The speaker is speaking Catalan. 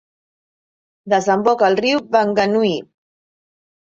Desemboca al riu Wanganui.